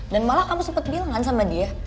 dan malah kamu sempet bilang kan sama dia